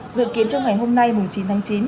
dự kiến trong ngày hôm nay chín tháng chín